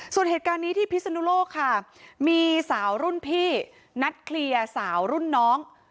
ส่วนเหตุการณ์นี้ที่พิศนุโลกค่ะมีสาวรุ่นพี่นัดเคลียร์สาวรุ่นน้อง